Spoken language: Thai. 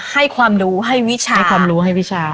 ให้ความรู้ให้วิชาให้ความรู้ให้วิชา